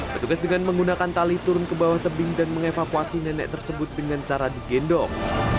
petugas dengan menggunakan tali turun ke bawah tebing dan mengevakuasi nenek tersebut dengan cara digendong